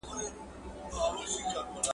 د ګناهونو د بخښلو لپاره اوښکې توی کړه.